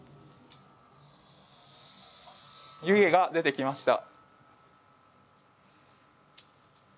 湯気が出てきました。